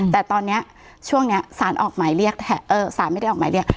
แต่ตอนนี้ช่วงนี้สารออกหมายเรียกสารไม่ได้ออกหมายเรียก